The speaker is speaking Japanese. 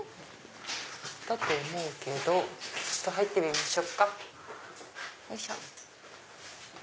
だと思うけど入ってみましょうか。